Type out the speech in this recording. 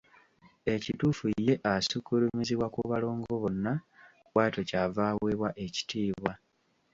Ekituufu ye asukkulumizibwa ku balongo bonna bw’atyo ky’ava aweebwa ekitiibwa.